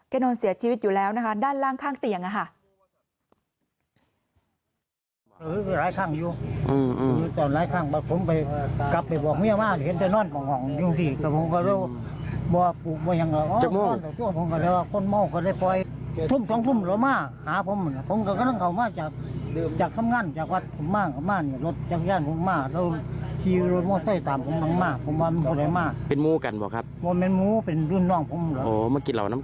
นอนเสียชีวิตอยู่แล้วนะคะด้านล่างข้างเตียงค่ะ